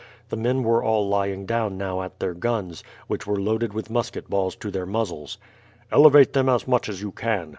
The men were all lying down now at their guns, which were loaded with musket balls to their muzzles. "Elevate them as much as you can.